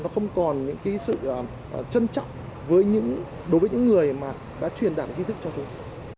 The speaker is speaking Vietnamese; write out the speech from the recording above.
nó không còn những cái sự trân trọng đối với những người mà đã truyền đảm thí thức cho chúng